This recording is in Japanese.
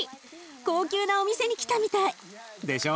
高級なお店に来たみたい。でしょ。